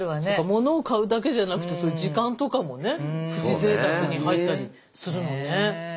物を買うだけじゃなくてその時間とかもね「プチぜいたく」に入ったりするのね。